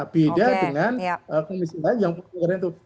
beda dengan komisi lain yang itu